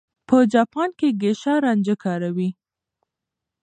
په جاپان کې ګېشا رانجه کاروي.